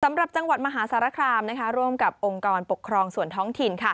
สำหรับจังหวัดมหาสารคามร่วมกับองค์กรปกครองส่วนท้องถิ่น